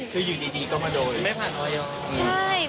คืออยู่ดีก็มาโดย